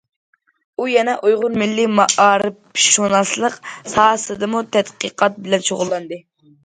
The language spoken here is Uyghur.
ئۇ يەنە ئۇيغۇر مىللىي مائارىپشۇناسلىق ساھەسىدىمۇ تەتقىقات بىلەن شۇغۇللاندى.